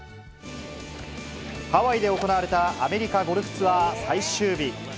ハワイで行われたアメリカゴルフツアー最終日。